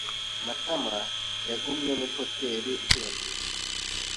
Matama yagumye muri hoteri ihendutse.